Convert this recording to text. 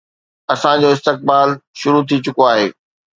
اسان جو استقبال شروع ٿي چڪو آهي